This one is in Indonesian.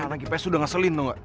anak ips udah ngeselin tau gak